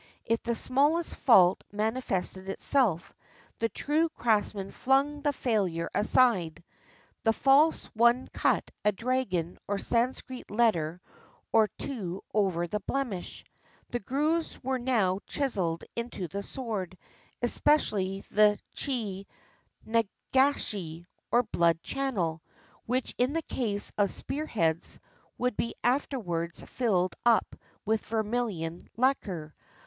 If the smallest fault manifested itself, the true craftsman flung the failure aside — the false one cut a dragon or a Sanskrit letter or two over the blemish. The grooves were now chiseled into the sword, especially the chi nagashi or blood channel, which in the case of spear heads would be afterwards filled up with vermilion lacquer.